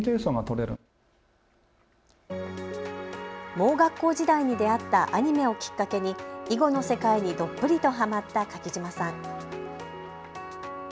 盲学校時代に出会ったアニメをきっかけに囲碁の世界にどっぷりとはまった柿島さん。